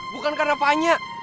bukan karena vanya